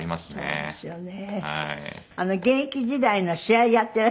そうですね。